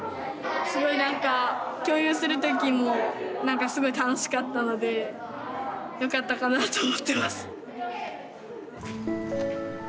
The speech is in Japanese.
すごいなんか共有する時もすごい楽しかったのでよかったかなと思ってます。